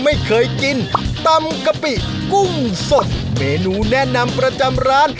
ไม่เคยกินตำกะปิกุ้งสดเมนูแนะนำประจำร้าน